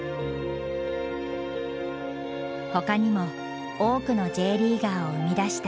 ほかにも多くのＪリーガーを生み出したこのクラブ。